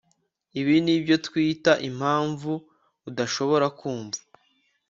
ibi nibyo twita impamvu udashobora kumva